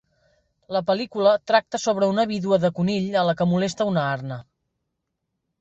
La pel·lícula tracta sobre una vídua de conill a la que molesta una arna.